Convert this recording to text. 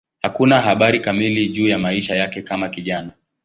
Hakuna habari kamili juu ya maisha yake kama kijana.